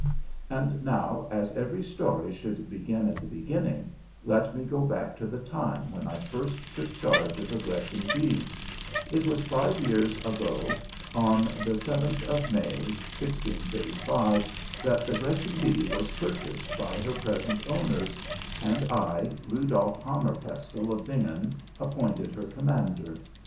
And now, as every story should begin at the beginning, let me go back to the time when I first took charge of the Gretchen B. It was five years agone, on the 7th day of May, 1635, that the Gretchen B. was purchased by her present owners, and I, Rudolf Hammerpestle, of Bingen, appointed her commander.